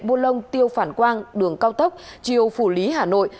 bô lông tiêu phản quang đường cao tốc triều phủ lý hà nội